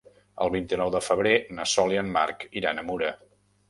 El vint-i-nou de febrer na Sol i en Marc iran a Mura.